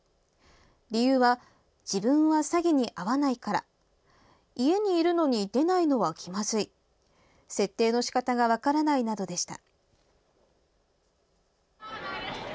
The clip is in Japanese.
理由は自分は詐欺に遭わないから家にいるのに出ないのは気まずい設定のしかたが分からないなどでした。